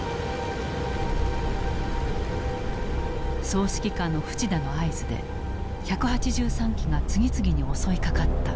総指揮官の淵田の合図で１８３機が次々に襲いかかった。